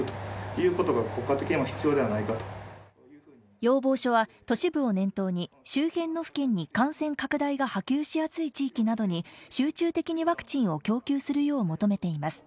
要望書は都市部を念頭に周辺の府県に感染拡大が波及しやすい地域などに集中的にワクチンを供給するよう求めています。